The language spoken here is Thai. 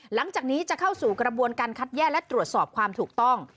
หลังจากนี้จะเข้าสู่กระบวนการคัดแยกและตรวจสอบความถูกต้อง